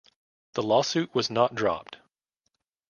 The lawsuit was not dropped.